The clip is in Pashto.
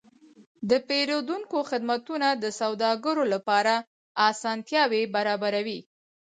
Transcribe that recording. د پیرودونکو خدمتونه د سوداګرو لپاره اسانتیاوې برابروي.